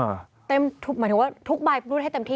หมายถึงว่าทุกใบรูดให้เต็มที่